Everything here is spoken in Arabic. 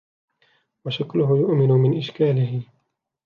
وَشَكْلُهُ يُؤَمِّنُ مِنْ إشْكَالِهِ